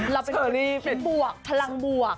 เป็นพลังบวก